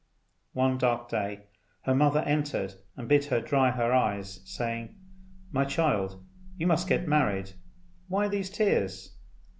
One dark day her mother entered and bid her dry her eyes, saying, "My child, you must get married. Why these tears?"